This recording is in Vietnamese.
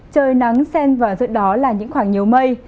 trời nắng sen và giữa đó là những khoảng nhiều mây